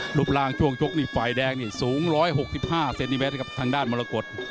ทรวมพล่างจุงจบฝ่ายแดงสูง๑๖๕ซันติเมตรทางด้านมรกฎ